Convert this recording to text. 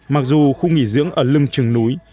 mặc dù khu nghỉ dưỡng ở lưng trường núi